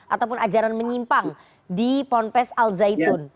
ataupun ajaran menyimpang di ponpes alzeitun